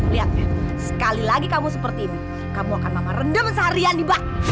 lihat sekali lagi kamu seperti ini kamu akan mama rendam seharian di bak